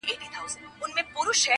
چي یې قبر د بابا ورته پېغور سو-